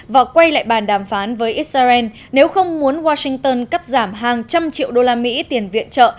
và quay lại bàn đàm phán với israel nếu không muốn washington cắt giảm hàng trăm triệu đô la mỹ tiền viện trợ